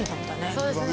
そうですね